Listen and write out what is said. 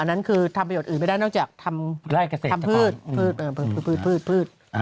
อันนั้นคือทำประโยชน์อื่นไม่ได้นอกจากทำพืช